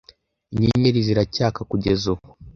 inyenyeri ziracyaka kugeza ubu